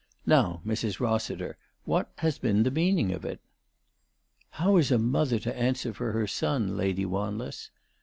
Now, Mrs. Rossiter, what has been the meaning of it ?" "How is a mother to answer for her son, Lady Wanless?"